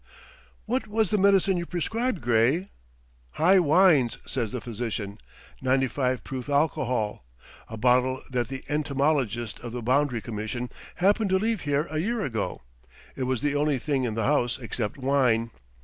"What was the medicine you prescribed, Gray?" "High wines," says the physician, "95 proof alcohol; a bottle that the entomologist of the Boundary Commission happened to leave here a year ago; it was the only thing in the house except wine.